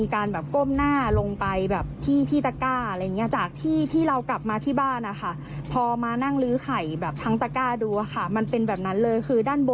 จะเริ่มมีลอยล้าวแล้วก็แตกแล้วก็บุบ